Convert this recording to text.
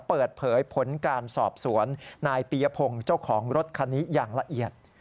เปิดเผยผลการสอบสวนนายปียพงศ์เจ้าของรถคันนี้อย่างละเอียด